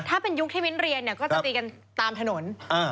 ถ้าเป็นยุคที่มิ้นเรียนเนี่ยก็จะตีกันตามถนน